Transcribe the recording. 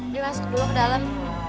yuk masuk dulu ke dalem